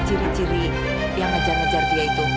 ciri ciri yang ngejar ngejar dia itu